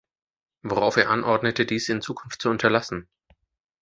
Worauf er anordnete, dies in Zukunft zu unterlassen.